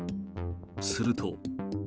すると。